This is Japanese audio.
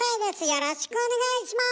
よろしくお願いします。